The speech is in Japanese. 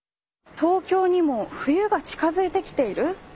「東京にも冬が近づいてきている？